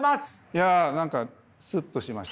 いや何かすっとしました。